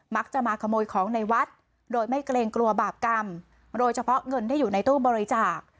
มาขโมยของในวัดโดยไม่เกรงกลัวบาปกรรมโดยเฉพาะเงินที่อยู่ในตู้บริจาค